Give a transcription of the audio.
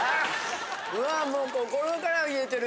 うわもう心から言えてる。